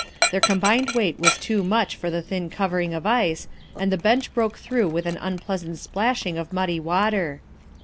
Their combined weight was too much for the thin covering of ice, and the bench broke through with an unpleasant splashing of muddy water.